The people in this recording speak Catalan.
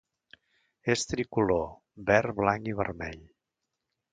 És tricolor: verd, blanc i vermell.